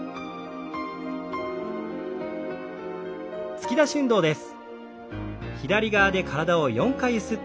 突き出し運動です。